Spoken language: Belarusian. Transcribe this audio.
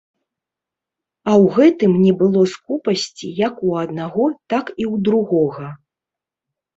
А ў гэтым не было скупасці як у аднаго, так і ў другога.